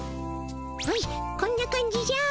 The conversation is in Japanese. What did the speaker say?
ほいこんな感じじゃ。